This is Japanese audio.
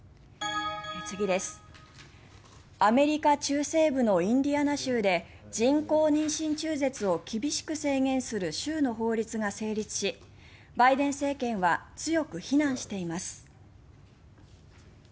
アメリカ中西部のインディアナ州で人工妊娠中絶を厳しく制限する州の法律が成立しバイデン政権は強く非難しています。